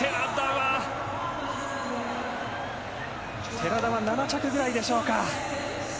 寺田は７着ぐらいでしょうか？